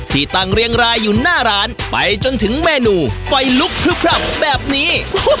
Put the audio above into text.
ที่ตั้งเรียงรายอยู่หน้าร้านไปจนถึงเมนูไฟลุกพลึบพลับแบบนี้